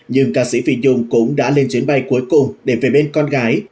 nhưng ca sĩ phi dung cũng đã lên chuyến bay cuối cùng để về bên con gái